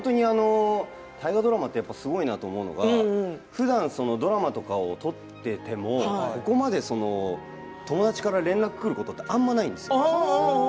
大河ドラマのすごいと思うのことはふだんドラマとかを撮っていてもここまで友達から連絡を取ることはないんですよ。